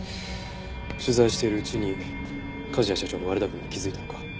取材しているうちに梶谷社長の悪巧みに気づいたのか？